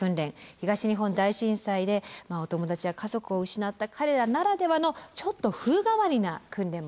東日本大震災でお友達や家族を失った彼らならではのちょっと風変わりな訓練もあります。